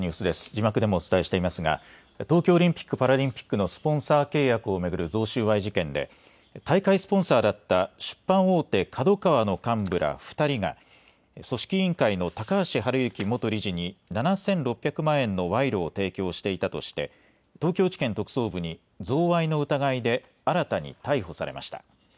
字幕でもお伝えしていますが東京オリンピック・パラリンピックのスポンサー契約を巡る贈収賄事件で大会スポンサーだった出版大手、ＫＡＤＯＫＡＷＡの幹部ら２人が組織委員会の高橋治之元理事に７６００万円の賄賂を提供していたとして東京地検特捜部に贈賄の疑いで新たに逮捕されました。